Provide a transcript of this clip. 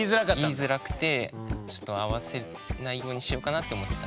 言いづらくてちょっと会わせないようにしようかなって思ってたんですけど。